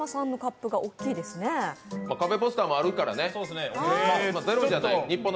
カベポスターもあるからね。